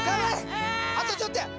あとちょっとや！